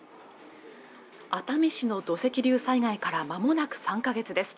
熱海市の土石流災害からまもなく３か月です